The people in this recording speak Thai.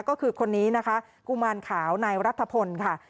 ก็คือคนนี้นะคะกุมารขาวนายรัฐพลค่ะ